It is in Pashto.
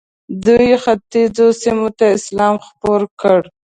دوی ختیځو سیمو ته اسلام خپور کړ.